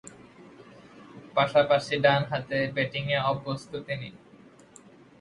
পাশাপাশি ডানহাতে ব্যাটিংয়ে অভ্যস্ত তিনি।